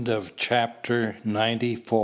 CHAPTER NINETY FIVE.